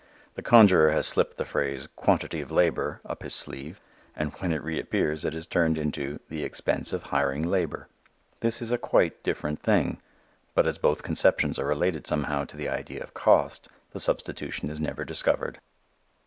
The conjurer has slipped the phrase, "quantity of labor," up his sleeve, and when it reappears it has turned into "the expense of hiring labor." This is a quite different thing. But as both conceptions are related somehow to the idea of cost, the substitution is never discovered.